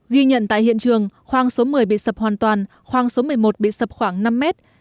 ghi nhận tại hiện trường khoang số một mươi bị sập hoàn toàn khoang số một mươi một bị sập khoảng năm mét